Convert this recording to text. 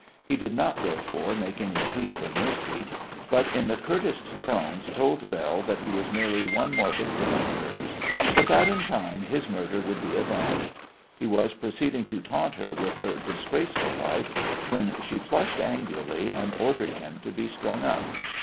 He did not, therefore, make any plea for mercy, but in the curtest tones told Belle that he was merely one more victim of hers, but that in time his murder would be avenged. He was proceeding to taunt her with her disgraceful life, when she flushed angrily, and ordered him to be strung up.